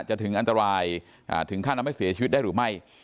ถึงอันตรายถึงขั้นทำให้เสียชีวิตได้หรือไม่